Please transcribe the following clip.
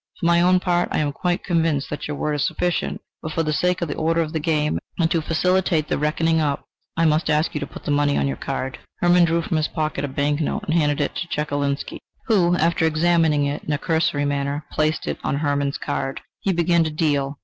For my own part, I am quite convinced that your word is sufficient, but for the sake of the order of the game, and to facilitate the reckoning up, I must ask you to put the money on your card." Hermann drew from his pocket a bank note and handed it to Chekalinsky, who, after examining it in a cursory manner, placed it on Hermann's card. He began to deal.